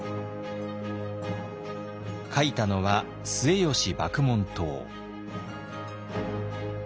書いたのは末吉麦門冬。